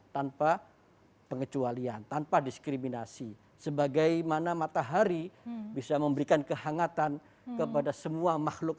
tanpa pengecualian tanpa diskriminasi sebagaimana matahari bisa memberikan kehangatan kepada semua makhluk